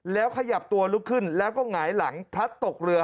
แล้วขยับตัวลุกขึ้นแล้วก็หงายหลังพลัดตกเรือ